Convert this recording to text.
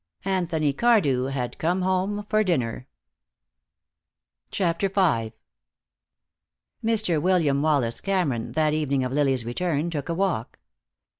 Anthony Cardew had come home for dinner. CHAPTER V Mr. William Wallace Cameron, that evening of Lily's return, took a walk.